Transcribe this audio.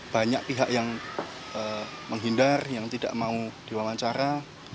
banyak pihak yang menghindar yang tidak mau diwawancara